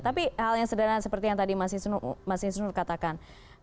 tapi hal yang sederhana seperti yang tadi mas isnur katakan